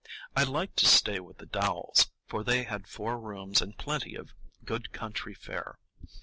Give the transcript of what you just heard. I liked to stay with the Dowells, for they had four rooms and plenty of good country fare.